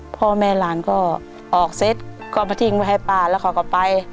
พ่อแม่หลานก็ออกเสร็จก็มาทิ้งไว้ให้ป้าแล้วเขาก็ไป